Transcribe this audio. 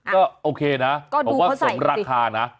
ก็โอเคนะผมว่าสมราคานะก็ดูเขาใส่